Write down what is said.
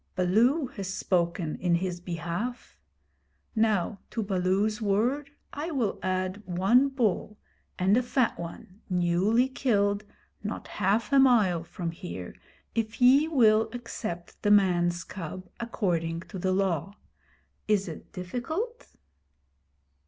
Baloo has spoken in his behalf. Now to Baloo's word I will add one bull, and a fat one, newly killed, not half a mile from here, if ye will accept the man's cub according to the Law. Is it difficult?'